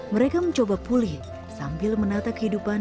mereka mencoba pulih sambil menata kehidupan